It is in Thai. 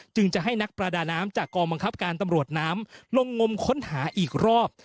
จึงจะให้นักประดาน้ำจากกองบังคับการตำรวจน้ำลงงมค้นหาอีกรอบ